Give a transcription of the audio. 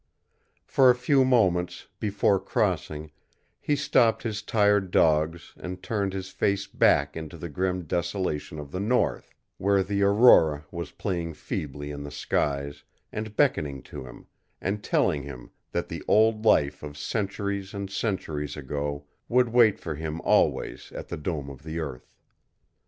For a few moments, before crossing, he stopped his tired dogs and turned his face back into the grim desolation of the North, where the aurora was playing feebly in the skies, and beckoning to him, and telling him that the old life of centuries and centuries ago would wait for him always at the dome of the earth.